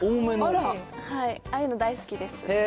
ああいうの大好きです。